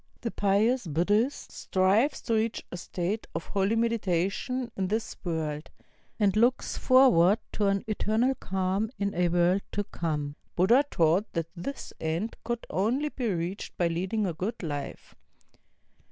The pious Buddhist strives to reach a state of holy meditation in this world, and looks forward to an eternal cahn in a world to come. Buddha taught that this end could only be reached by leading a good life.